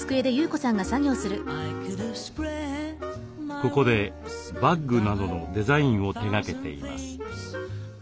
ここでバッグなどのデザインを手がけています。